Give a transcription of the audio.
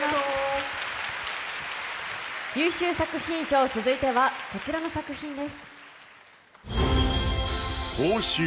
優秀作品賞、続いてはこちらの作品です。